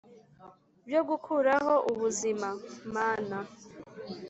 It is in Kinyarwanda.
bya gukuraho ubuzima!mana,